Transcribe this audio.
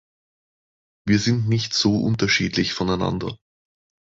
Wie sind nicht so unterschiedlich voneinander.